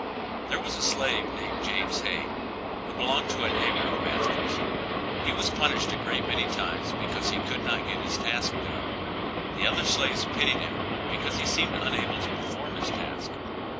There was a slave named James Hay, who belonged to a neighbor of master's; he was punished a great many times because he could not get his task done. The other slaves pitied him because he seemed unable to perform his task.